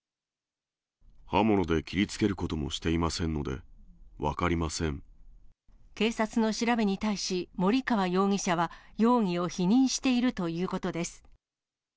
刃物で切りつけることもして警察の調べに対し、森川容疑者は容疑を否認しているということです。